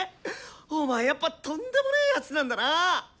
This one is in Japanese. お前やっぱとんでもね奴なんだな！